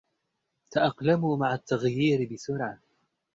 تأقلموا مع التغيير بسرعة.